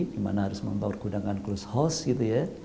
dimana harus mempergunakan close house gitu ya